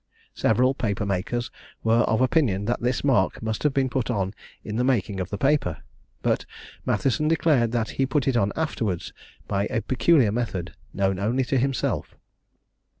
Several paper makers were of opinion that this mark must have been put on in the making of the paper; but Mathison declared that he put it on afterwards by a peculiar method, known only to himself.